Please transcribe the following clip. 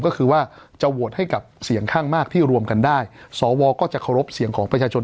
ก็คือว่าจะโหวตให้กับเสียงข้างมากที่รวมกันได้สวก็จะเคารพเสียงของประชาชน